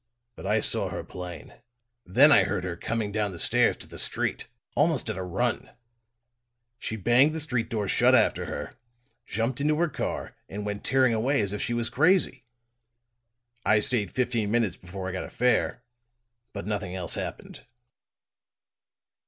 "But I saw her plain. Then I heard her coming down the stairs to the street almost at a run. She banged the street door shut after her, jumped into her car and went tearing away as if she was crazy. I stayed fifteen minutes before I got a fare; but nothing else happened."